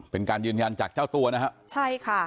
เป็นการยืนยันจากเจ้าตัวนะฮะใช่ค่ะ